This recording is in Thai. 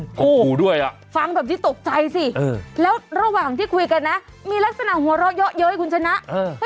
โฟกกูด้วยอ่ะฟังแบบที่ตกใจสิเออแล้วระหว่างที่คุยกันนะมีลักษณะหัวเราะเยอะเยอะให้คุณชนะเออ